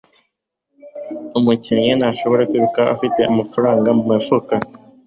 Umukinnyi ntashobora kwiruka afite amafaranga mumifuka.